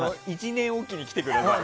１年おきに来てください。